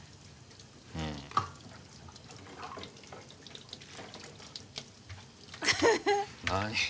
うん何？